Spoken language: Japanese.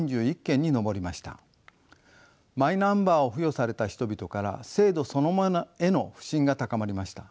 マイナンバーを付与された人々から制度そのものへの不信が高まりました。